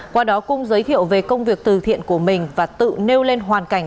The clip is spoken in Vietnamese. qua đó cung giới thiệu về công việc từ thiện của mình và tự nêu lên hoàn cảnh